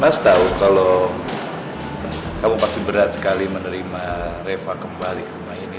mas tahu kalau kamu pasti berat sekali menerima reva kembali rumah ini